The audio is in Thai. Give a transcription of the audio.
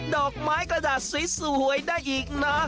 ดอกไม้กระดาษสวยได้อีกนะ